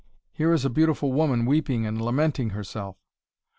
here is a beautiful woman weeping and lamenting herself."